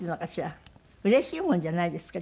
うれしいもんじゃないですか？